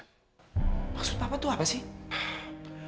maksud papa itu apa sih